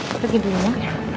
pergi dulu ma